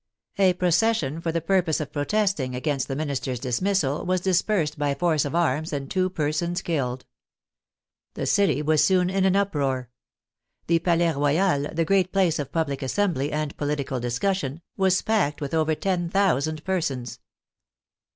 A procession for the purpose of protesting against the minister's dismissal was dis persed by force of arms and two persons killed. The city was soon in an uproar. The Palais Royal, the great place of public assembly and political discussion, was packed with over ten thousand persons.